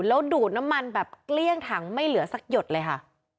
แล้วดูดน้ำมันแบบเกลี้ยงถังไม่เหลือสักหยดเลยค่ะ